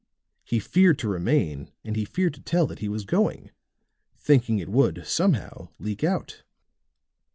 He feared to remain and he feared to tell that he was going, thinking it would, somehow, leak out."